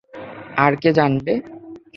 আর কে জানবে?